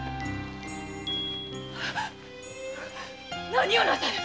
何をなさる！